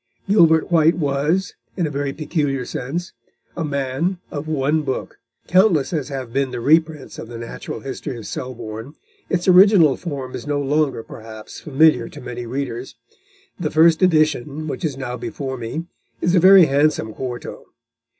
Gilbert White was, in a very peculiar sense, a man of one book. Countless as have been the reprints of The Natural History of Selborne, its original form is no longer, perhaps, familiar to many readers. The first edition, which is now before me, is a very handsome quarto.